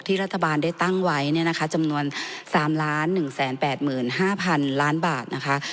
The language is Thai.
ที่รัฐบาลได้ตั้งไว้เนี้ยนะคะจำนวนสามล้านหนึ่งแสนแปดหมื่นห้าพันล้านบาทนะคะ